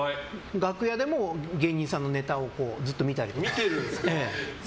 楽屋でも芸人さんのネタをずっと見てたりとか。